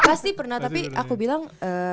pasti pernah tapi aku bilang